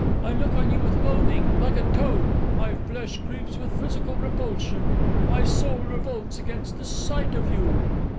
I look on you with loathing, like a toad: my flesh creeps with physical repulsion; my soul revolts against the sight of you.